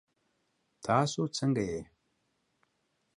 تاسو څنګه یئ؟